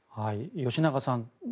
吉永さん